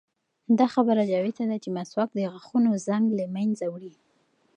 دا خبره جوته ده چې مسواک د غاښونو زنګ له منځه وړي.